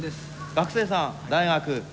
学生さん、大学？